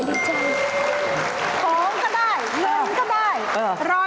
ของก็ได้เงินก็ได้รอ